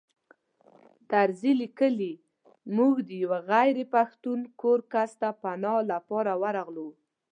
طرزي لیکي موږ د یوه غیر پښتون کس کور ته پناه لپاره ورغلو.